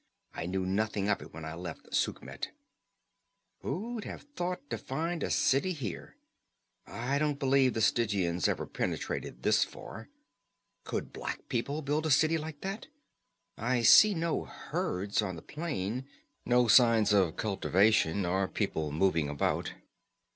I knew nothing of it when I left Sukhmet." "Who'd have thought to find a city here? I don't believe the Stygians ever penetrated this far. Could black people build a city like that? I see no herds on the plain, no signs of cultivation, or people moving about."